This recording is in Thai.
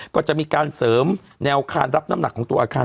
ก็จะมีการเสริมแนวคานรับน้ำหนักของตัวอาคาร